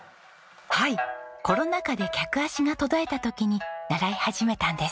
はいコロナ禍で客足が途絶えた時に習い始めたんです。